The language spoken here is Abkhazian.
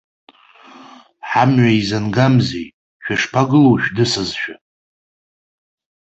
Ҳамҩа изангамзеи, шәышԥагылоу шәдысызшәа?